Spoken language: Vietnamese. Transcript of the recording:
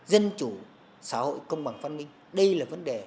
dân chủ xã hội công bằng phát minh đây là vấn đề của tử